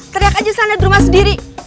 teriak aja sana di rumah sendiri